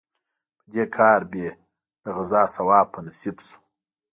په دې کار به یې د غزا ثواب په نصیب شو.